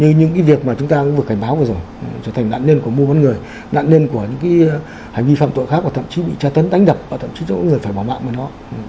như những cái việc mà chúng ta vừa cảnh báo vừa rồi trở thành nạn niên của muôn người nạn niên của những cái hành vi phạm tội khác và thậm chí bị tra thấn đánh đập và thậm chí là có người phải bỏ mạng vào nó